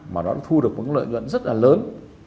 mà nó thu được một lợi nhuận rất là lớn